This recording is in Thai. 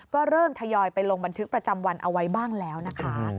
ก็เริ่มทยอยไปลงบันทึกประจำวันเอาไว้บ้างแล้วนะคะ